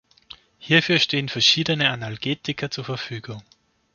Hierfür stehen verschiedene Analgetika zur Verfügung.